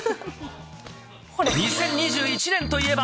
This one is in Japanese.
２０２１年といえば。